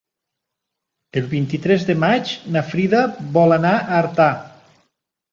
El vint-i-tres de maig na Frida vol anar a Artà.